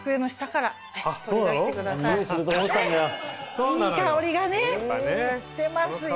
いい香りがしてますよ。